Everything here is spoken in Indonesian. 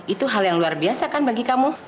itu hal yang luar biasa kan bagi kamu